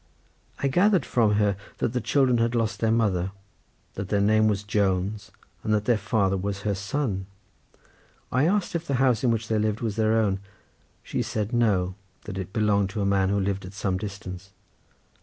I gathered from her that the children had lost their mother, that their name was Jones, and that their father was her son. I asked if the house in which they lived was their own; she said no, that it belonged to a man who lived at some distance.